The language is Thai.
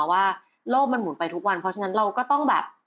ว่าโลกมันหุ่นไปทุกวันเพราะฉะนั้นเราก็ต้องแบบ